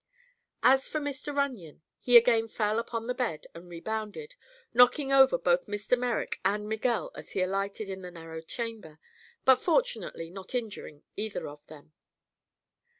As for Mr. Runyon, he again fell upon the bed and rebounded, knocking over both Mr. Merrick and Miguel as he alighted in the narrow chamber, but fortunately not injuring either of them.